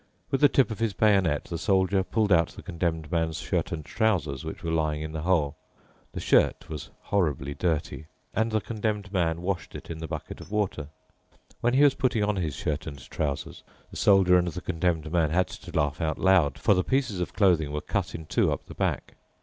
With the tip of his bayonet the Soldier pulled out the Condemned Man's shirt and trousers which were lying in the hole. The shirt was horribly dirty, and the Condemned Man washed it in the bucket of water. When he was putting on his shirt and trousers, the Soldier and the Condemned Man had to laugh out loud, for the pieces of clothing were cut in two up the back.